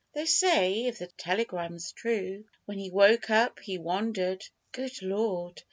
They say (if the telegram's true) When he woke up he wondered (good Lord!)